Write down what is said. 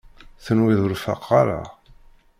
Tenwiḍ ur faqeɣ ara?